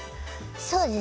そうですね。